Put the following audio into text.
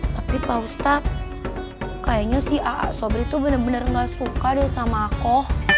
tapi pak ustadz kayaknya si a'a sobri itu bener bener gak suka deh sama aku